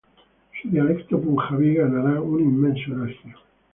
Su dialecto Punjabi ganará un inmenso elogio.